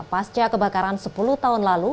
pasca kebakaran sepuluh tahun lalu